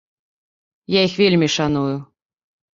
Я іх вельмі шаную.